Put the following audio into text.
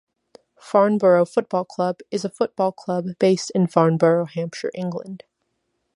Farnborough Football Club is a football club based in Farnborough, Hampshire, England.